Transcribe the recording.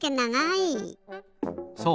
そう。